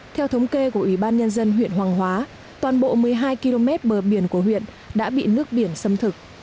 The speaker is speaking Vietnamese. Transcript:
theo thống kê của ủy ban nhân dân huyện hoàng hóa toàn bộ một mươi hai km bờ biển của huyện đã bị nước biển xâm thực